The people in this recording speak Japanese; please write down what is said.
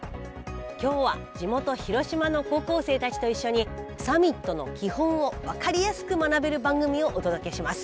今日は地元広島の高校生たちと一緒にサミットの基本を分かりやすく学べる番組をお届けします。